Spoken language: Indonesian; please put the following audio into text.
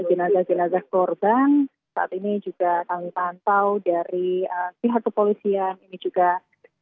ini adalah satu jenazah yang tidak bisa diangkat